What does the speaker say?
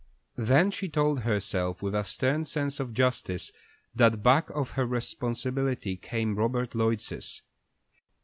Then she told herself, with a stern sense of justice, that back of her responsibility came Robert Lloyd's.